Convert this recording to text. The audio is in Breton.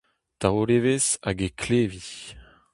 Taol evezh hag e klevi.